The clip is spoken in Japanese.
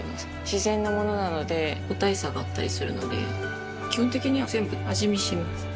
自然のものなので個体差があったりするので基本的には全部味見します